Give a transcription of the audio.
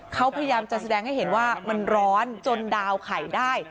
เขาพยายามจะแสดงให้เห็นว่ามันร้อนจนดาวนไข่ได้